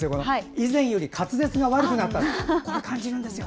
以前より滑舌が悪くなったと感じます。